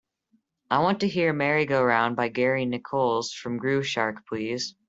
I want to hear Merry Go Round by Gary Nichols from Groove Shark please.